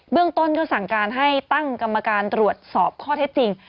เรื่องต้นก็สั่งการให้ตั้งกรรมการตรวจสอบข้อเท็จจริง